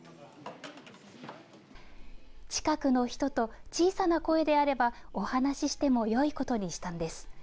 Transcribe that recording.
近くの人と小さな声であれば、お話してもよいことにしたのです。